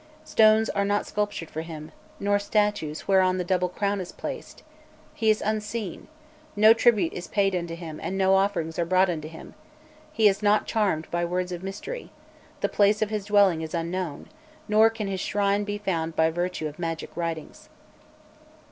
Stones are not sculptured for him nor statues whereon the double crown is placed; he is unseen; no tribute is paid unto him and no offerings are brought unto him, he is not charmed by words of mystery; the place of his dwelling is unknown, nor can his shrine be found by virtue of magic writings.